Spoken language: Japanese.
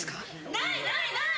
ない、ない、ない！